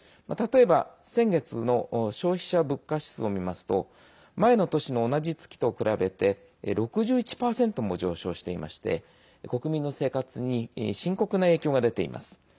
例えば先月の消費者物価指数を見ますと前の年の同じ月と比べて６１％も上昇していまして国民の生活に深刻な影響が出ています。